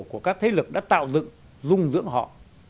của các thế lực đã tạo dựng dung dưỡng họ